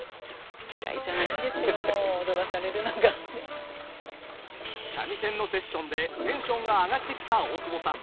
あっ三味線のセッションでテンションが上がってきた大久保さん。